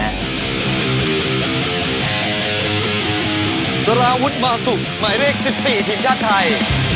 สารวุฒิมาสุกหมายเลข๑๔ทีมชาติไทย